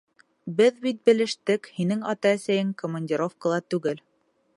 Беҙ бит белештек, һинең ата-әсәйең командировкала түгел.